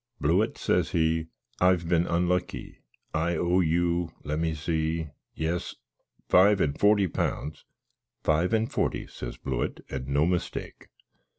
"Blewitt," says he, "I've been unlucky. I owe you let me see yes, five and forty pounds?" "Five and forty," says Blewitt, "and no mistake!"